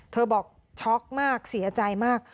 บอกช็อกมากเสียใจมาก